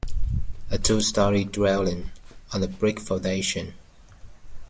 A two story dwelling, on a brick foundation.